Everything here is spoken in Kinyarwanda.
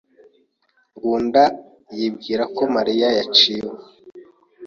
Ngunda yibwira ko Mariya yaciwe.